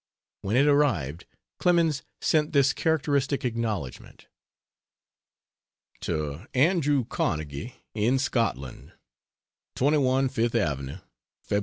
When it arrived Clemens sent this characteristic acknowledgment. To Andrew Carnegie, in Scotland: 21 FIFTH AVE. Feb.